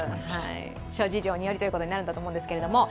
諸事情によりということになるんだと思いますけど。